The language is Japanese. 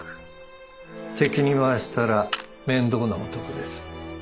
敵に回したら面倒な男です。